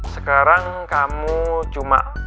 sekarang kamu cuma